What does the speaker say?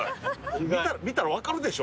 見たら分かるでしょ。